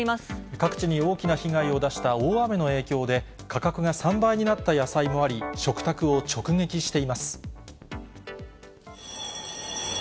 各地に大きな被害を出した大雨の影響で、価格が３倍になった野菜もあり、食卓を直撃しています。